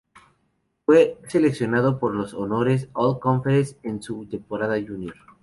Fue seleccionado por los honores All-Conference en su temporada junior.